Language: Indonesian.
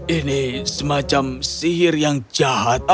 ini semacam sihir yang jahat